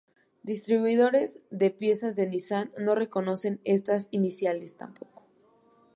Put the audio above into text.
Distribuidores de piezas de Nissan no reconocen estas iniciales tampoco.